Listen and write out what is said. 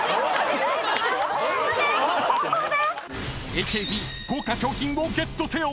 ［ＡＫＢ豪華賞品をゲットせよ！］